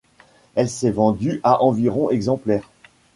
Elle s'est vendue à environ exemplaires.